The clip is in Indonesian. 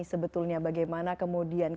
sebetulnya bagaimana kemudian